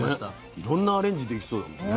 いろんなアレンジできそうだもんね。